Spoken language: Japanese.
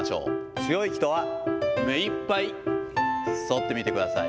強い人は目いっぱい反ってみてください。